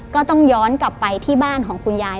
ก็ต้องย้อนกลับไปที่บ้านของคุณยาย